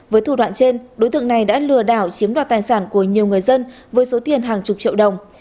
với thủ đoạn trên đối tượng này đã lừa đảo chiếm đoạt tài sản của nhiều người dân với số tiền hàng chục triệu đồng